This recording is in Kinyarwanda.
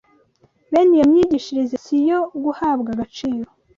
bene iyo myigishirize si iyo guhabwa agaciro